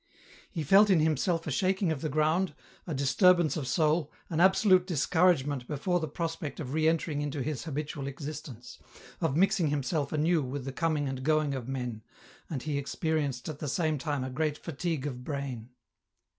He felt in himself a shaking of the ground, a disturbance of soul, an absolute discouragement before the prospect of re entering into his habitual existence, of mixing himself anew with the coming and going of men, and he experi enced at the same time a great fatigue of brain.